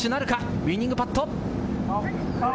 ウイニングパット。